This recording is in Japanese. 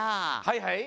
はいはい。